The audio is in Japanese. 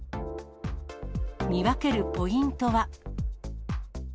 見分けるポイントは。